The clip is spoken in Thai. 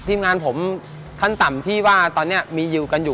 ทีมงานผมขั้นต่ำที่ว่าตอนนี้มีอยู่กันอยู่